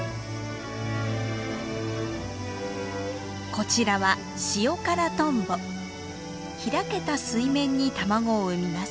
こちらは開けた水面に卵を産みます。